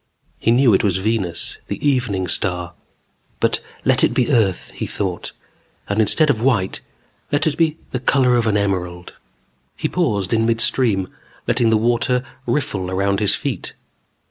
He knew it was Venus, the Evening Star. But let it be Earth, he thought. And instead of white, let it be the color of an emerald. He paused in midstream, letting the warm water riffle around his feet.